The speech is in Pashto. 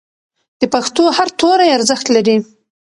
د پښتو هر توری ارزښت لري.